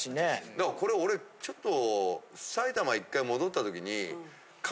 だからこれ俺ちょっと。